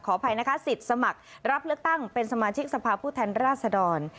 อภัยนะคะสิทธิ์สมัครรับเลือกตั้งเป็นสมาชิกสภาพผู้แทนราชดร